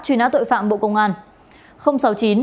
truy nã tội phạm bộ công an